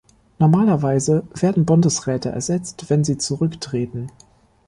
Normalerweise werden Bundesräte ersetzt, wenn sie zurücktreten.